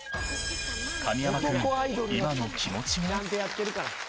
神山君、今の気持ちは？